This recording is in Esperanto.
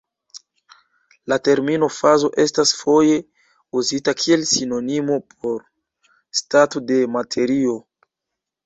La termino fazo estas foje uzita kiel sinonimo por stato de materio.